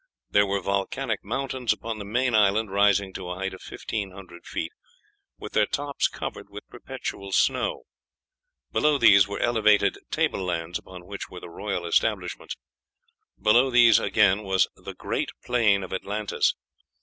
There were volcanic mountains upon the main island, rising to a height of fifteen hundred feet, with their tops covered with perpetual snow. Below these were elevated table lands, upon which were the royal establishments. Below these, again, was "the great plain of Atlantis."